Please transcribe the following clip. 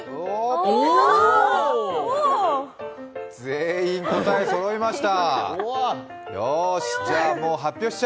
全員、答えそろいました。